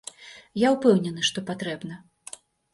Я ўпэўнены, што патрэбна.